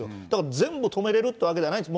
全部止めれるっていうわけじゃないですか。